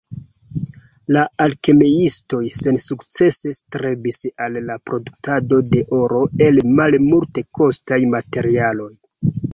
La alkemiistoj sensukcese strebis al la produktado de oro el malmultekostaj materialoj.